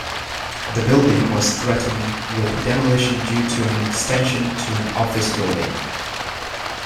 The building was threatened with demolition due to an extension to an office building.